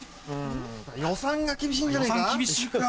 予算が厳しいんじゃないか？